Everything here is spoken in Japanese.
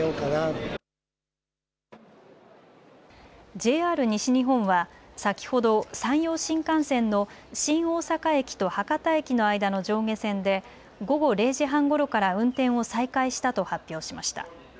ＪＲ西日本は先ほど、山陽新幹線の新大阪駅と博多駅の間の上下線で午後０時半ごろから運転を再開したと発表しました。